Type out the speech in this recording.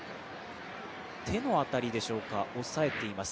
手の辺りでしょうか押さえています。